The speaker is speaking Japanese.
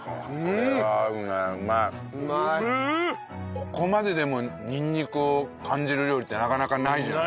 ここまででもにんにくを感じる料理ってなかなかないじゃない。